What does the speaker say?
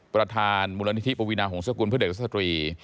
ประธานมูลนิธิปวีนาหงษกุลเพื่อเด็กและสตรี